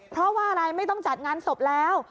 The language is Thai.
เพราะว่าอะไรไม่ต้องจัดงานศพแล้ว